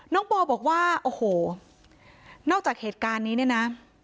ปอบอกว่าโอ้โหนอกจากเหตุการณ์นี้เนี่ยนะ